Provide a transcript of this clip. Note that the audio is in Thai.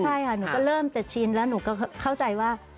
ใช่ค่ะหนูก็เริ่มจะชินแล้วหนูก็เข้าใจว่า